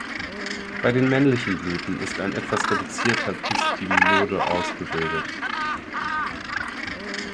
Bei den männlichen Blüten ist ein etwas reduzierter Pistillode ausgebildet.